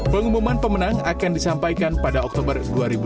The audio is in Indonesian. pengumuman pemenang akan disampaikan pada oktober dua ribu dua puluh